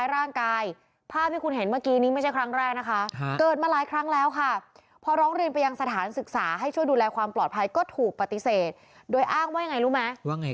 ป่ายสามโมงกว่ากว่างตอนเด็นเลิกพอดีแต่